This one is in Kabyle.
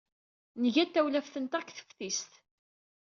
Nga-d tawlaft-nteɣ deg teftist.